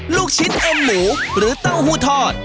ลูกชิ้นเอ็มหมูหรือเต้าหู้ทอด